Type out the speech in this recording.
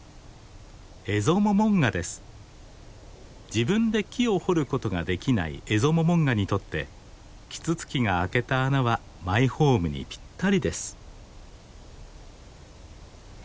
自分で木を掘ることができないエゾモモンガにとってキツツキが開けた穴はマイホームにピッタリです。